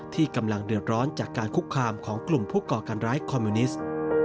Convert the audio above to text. ที่กำลังเดือดร้อนจากการคุกคามของกลุ่มผู้ก่อการร้ายคอมมิวนิสต์